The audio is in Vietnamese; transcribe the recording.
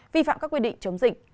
vi phạm các quy định chống dịch